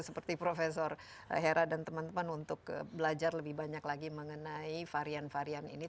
seperti prof hera dan teman teman untuk belajar lebih banyak lagi mengenai varian varian ini